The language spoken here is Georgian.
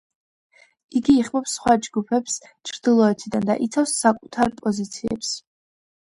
იგი იხმობს სხვა ჯუჯებს ჩრდილოეთიდან და იცავს საკუთარ პოზიციებს.